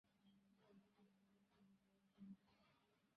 তিনি সেখানকার স্থানীয় মানুষদের সামাজিক আলোয় আলোকিত করার চেষ্টা করেছিলেন।